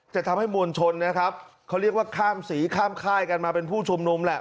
จะทำให้มวลชนนะครับเขาเรียกว่าข้ามสีข้ามค่ายกันมาเป็นผู้ชุมนุมแหละ